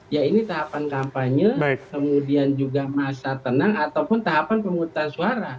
ya ini tahapan kampanye kemudian juga masa tenang ataupun tahapan pemutusan suara